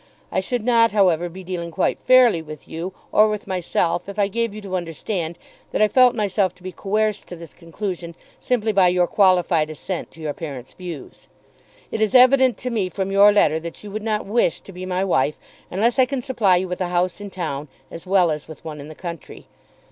I should not, however, be dealing quite fairly with you or with myself if I gave you to understand that I felt myself to be coerced to this conclusion simply by your qualified assent to your parents' views. It is evident to me from your letter that you would not wish to be my wife unless I can supply you with a house in town as well as with one in the country.